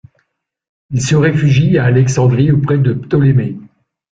Il se réfugie à Alexandrie auprès de Ptolémée.